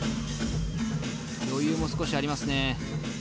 余裕も少しありますね。